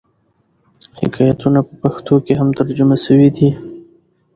حکایتونه په پښتو کښي هم ترجمه سوي دي.